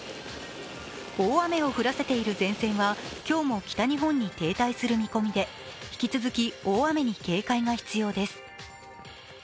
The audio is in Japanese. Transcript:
大雨を降らせている前線は今日も北日本に停滞する見込みで、引き続き、大雨に警戒が必要です。